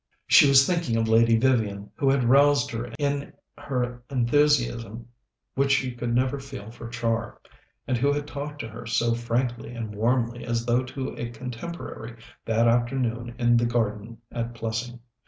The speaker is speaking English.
She was thinking of Lady Vivian, who had roused in her an enthusiasm which she could never feel for Char, and who had talked to her so frankly and warmly, as though to a contemporary, that afternoon in the garden at Plessing.